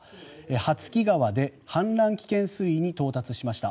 羽月川で氾濫危険水位に到達しました。